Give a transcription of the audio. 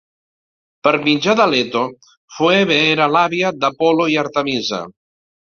Per mitjà de Leto, Phoebe era l"àvia d"Apollo i Artemisa.